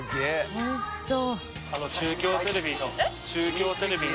おいしそう！